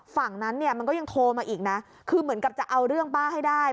ฝั่งนั้นเนี่ยมันก็ยังโทรมาอีกนะคือเหมือนกับจะเอาเรื่องป้าให้ได้